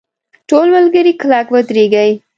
ټول ملګري کلک ودرېږئ!.